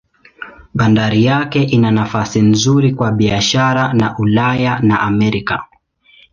Bandari yake ina nafasi nzuri kwa biashara na Ulaya na Amerika.